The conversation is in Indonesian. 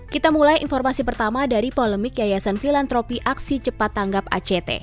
kita mulai informasi pertama dari polemik yayasan filantropi aksi cepat tanggap act